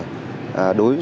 đối với doanh nghiệp